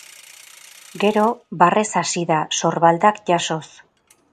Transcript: Gero barrez hasi da, sorbaldak jasoz.